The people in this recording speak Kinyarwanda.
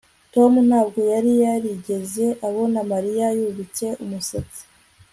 Tom ntabwo yari yarigeze abona Mariya yubitse umusatsi